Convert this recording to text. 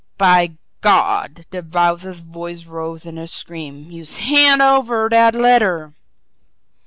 "By God" the Wowzer's voice rose in a scream "youse hand over dat letter!"